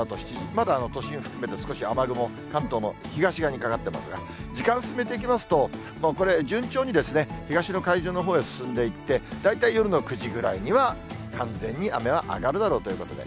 まだ都心含めて、少し雨雲、関東の東側にかかってますが、時間進めていきますと、これ、順調に東の海上のほうへ進んでいって、大体夜の９時ぐらいには完全に雨は上がるだろうということで。